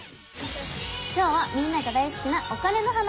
今日はみんなが大好きなお金の話！